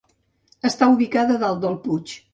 Està ubicada dalt del puig.